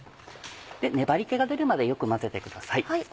粘り気が出るまでよく混ぜてください。